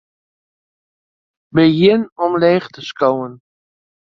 Begjin omleech te skowen.